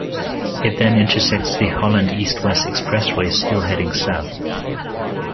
It then intersects the Holland East-West Expressway, still heading south.